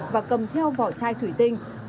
và cầm theo vỏ chai thủy tinh